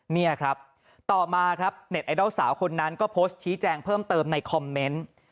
นี่ครับต่อมาครับเน็ตไอดอลสาวคนนั้นก็โพสต์ชี้แจงเพิ่มเติมในคอมเมนต์